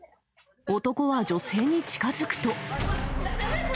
男は女性に近づくと。